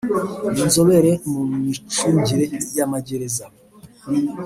n’inzobere mu by’imicungire y’amagereza